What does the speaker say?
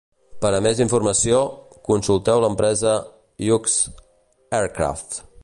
Per a més informació, consulteu l'empresa Hughes Aircraft.